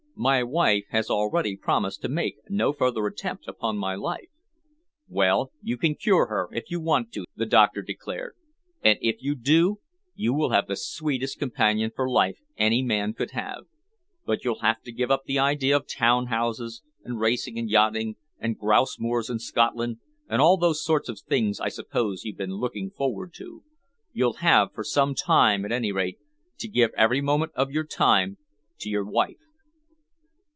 "My wife has already promised to make no further attempt upon my life." "Well, you can cure her if you want to," the doctor declared, "and if you do, you will have the sweetest companion for life any man could have. But you'll have to give up the idea of town houses and racing and yachting, and grouse moors in Scotland, and all those sort of things I suppose you've been looking forward to. You'll have for some time, at any rate, to give every moment of your time to your wife."